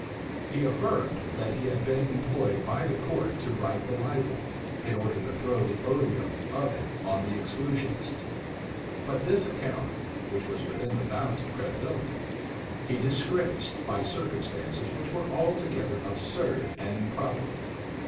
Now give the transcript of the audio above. He affirmed, that he had been employed by the court to write the libel, in order to throw the odium of it on the exclusionists: but this account, which was within the bounds of credibility, he disgraced by circumstances which are altogether absurd and improbable.